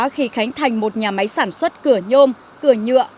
khi khánh thành một nhà máy sản xuất cửa nhôm cửa nhựa